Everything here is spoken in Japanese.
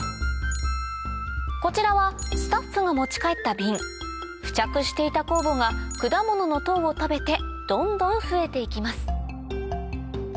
こちらはスタッフが持ち帰った瓶付着していた酵母が果物の糖を食べてどんどん増えて行きます